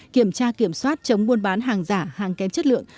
kiểm tra kiểm soát chống buôn bán hàng giả hàng kém chất lượng